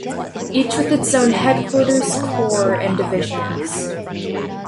Each with its own headquarters, corps, and divisions.